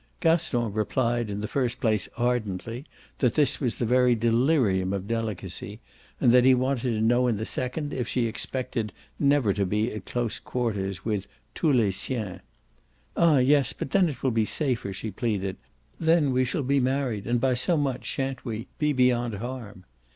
Gaston replied, in the first place, ardently, that this was the very delirium of delicacy, and that he wanted to know in the second if she expected never to be at close quarters with "tous les siens." "Ah yes, but then it will be safer," she pleaded; "then we shall be married and by so much, shan't we? be beyond harm."